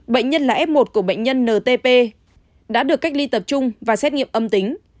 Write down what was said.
bệnh nhân là f một của bệnh nhân ntp đã được cách ly tập trung và xét nghiệm âm tính